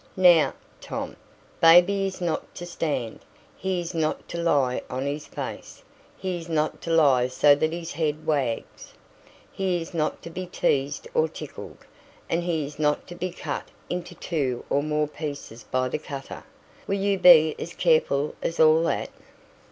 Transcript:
"Now, Tom, baby is not to stand; he is not to lie on his face; he is not to lie so that his head wags; he is not to be teased or tickled; and he is not to be cut into two or more pieces by the cutter. Will you be as careful as all that?"